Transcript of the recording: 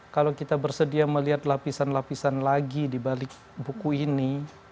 kalau kita bersedia melihat lapisan lapisan lagi di balik buku ini